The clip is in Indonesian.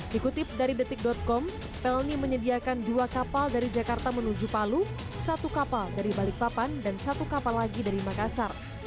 dikutip dari detik com pelni menyediakan dua kapal dari jakarta menuju palu satu kapal dari balikpapan dan satu kapal lagi dari makassar